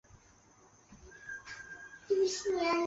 他的才华受到其他音乐家的重视。